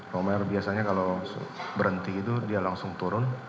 romer biasanya kalau berhenti gitu dia langsung turun